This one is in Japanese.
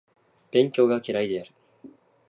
勉強が嫌いである